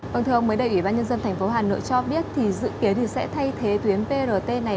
vâng thưa ông mới đây ủy ban nhân dân tp hà nội cho biết thì dự kiến thì sẽ thay thế tuyến brt này